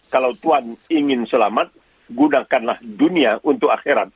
kalau tuhan ingin selamat gunakanlah dunia untuk akhirat